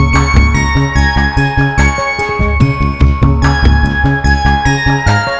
ya tapi saya mau beli